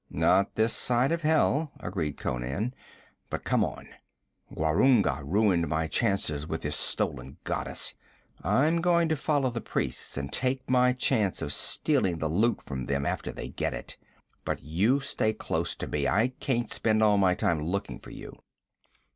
'Not this side of hell,' agreed Conan. 'But come on. Gwarunga ruined my chances with his stolen goddess. I'm going to follow the priests and take my chance of stealing the loot from them after they get it. And you stay close to me. I can't spend all my time looking for you.'